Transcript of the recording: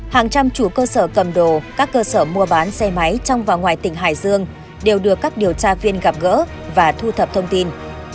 hàng trăm chủ cơ sở cầm đồ các cơ sở mua bán xe máy trong và ngoài tỉnh hải dương đều được các điều tra viên gặp gỡ và thu thập thông tin